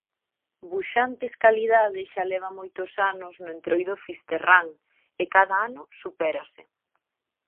Buxantes calidade xa leva moitos anos no Entroido fisterrán e cada ano supérase.